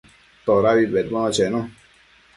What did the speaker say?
Todabi bedbono chenun